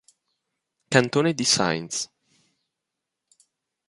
Cantone di Saintes